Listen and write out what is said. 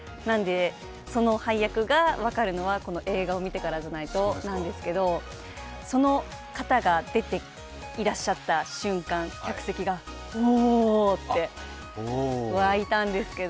その配役が分かるのは、この映画を見てからでないとなんですけど、その方が出ていらっしゃった瞬間、客席が「おお」ってわいたんですけど。